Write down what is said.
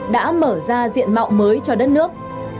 đã mở ra diện mạo mới cho đất nước